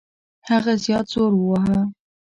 هغه زیات زور وواهه.